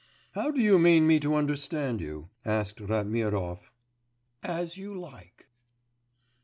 'How do you mean me to understand you?' asked Ratmirov. 'As you like.